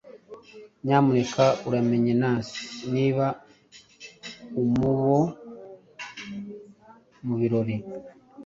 Nyamuneka uramutse Nancy niba umuboe mubirori.